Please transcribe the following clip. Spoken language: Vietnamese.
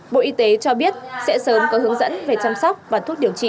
bộ y tế cho biết sẽ sớm có hướng dẫn về chăm sóc và thuốc điều trị